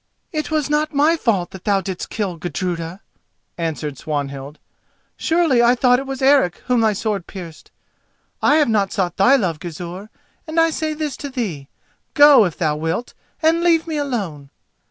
"It was not my fault that thou didst kill Gudruda," answered Swanhild; "surely I thought it was Eric whom thy sword pierced! I have not sought thy love, Gizur, and I say this to thee: go, if thou wilt, and leave me alone!"